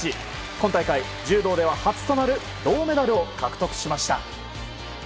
今大会、柔道では初となる銅メダルを獲得しました。